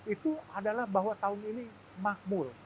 itu adalah bahwa tahun ini makmur